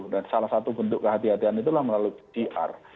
dan salah satu bentuk kehati hatian itulah melalui pcr